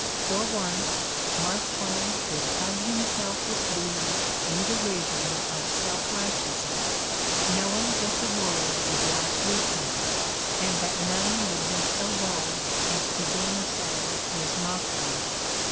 For once Mark Twain could hug himself with glee in derision of self righteous ness, knowing that the world would laugh with him, and that none would be so bold as to gainsay his mockery.